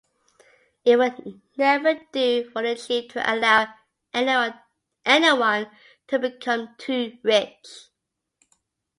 It would never do for the chief to allow anyone to become too rich.